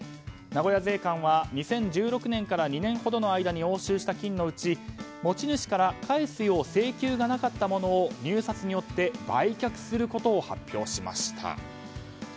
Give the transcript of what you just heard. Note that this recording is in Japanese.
名古屋税関は２０１６年から２年ほどの間に押収した金のうち、持ち主から返すよう請求がなかったものを入札によって売却することを発表しました。